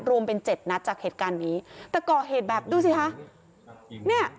รวมเป็นเจ็ดนัดจากเหตุการณ์นี้แต่ก่อเหตุแบบดูสิคะเนี่ย